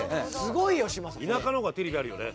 田舎の方がテレビあるよね。